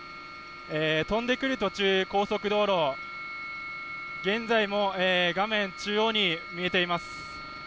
飛んでくる途中、高速道路、現在も画面中央に見えています。